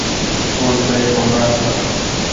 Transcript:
اوس به يې په مرسته